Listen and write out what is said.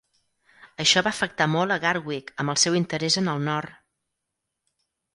Això va afectar molt a Warwick, amb el seu interès en el nord.